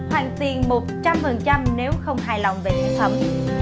hoàn tiền một trăm linh nếu không hài lòng về chế phẩm